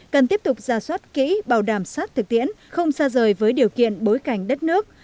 cần tiếp tục ra soát kỹ bảo đảm sát thực tiễn không xa rời với điều kiện bối cảnh đất nước